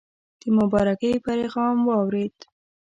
د مبارکی پیغام واورېد.